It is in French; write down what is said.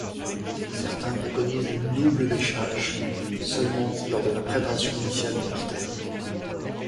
Certaines préconisent le double-bêchage seulement lors de la préparation initiale du parterre.